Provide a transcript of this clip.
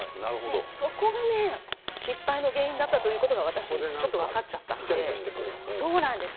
そこが失敗の原因だったということが私分かっちゃったんです。